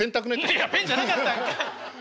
ペンじゃなかったんかい！